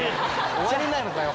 終わりなのかよ